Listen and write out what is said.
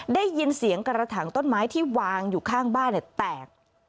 ได้ยินเสียงกระถางต้นไม้ที่วางอยู่ข้างบ้านแตก